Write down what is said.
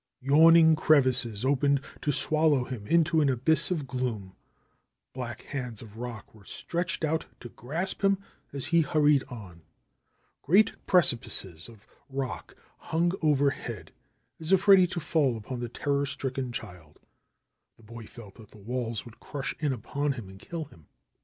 Yawning 42 THE HERMIT OF SAGUENAY crevices opened to swallow him into an abyss of gloom. Black hands of rock were stretched out to grasp him as he hurried on. Great precipices of rock hung overhead, as if ready to fall upon the terror stricken child. The boy felt that the walls would crush in upon him and kill him.